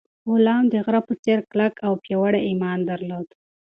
غلام د غره په څېر کلک او پیاوړی ایمان درلود.